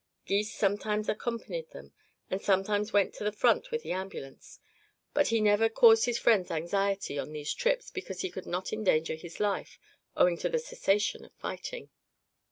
Gys sometimes accompanied them and sometimes went to the front with the ambulance; but he never caused his friends anxiety on these trips, because he could not endanger his life, owing to the cessation of fighting.